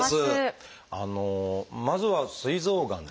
まずは「すい臓がん」。